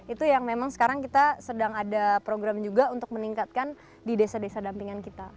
itu yang memang sekarang kita sedang ada program juga untuk meningkatkan di desa desa dampingan kita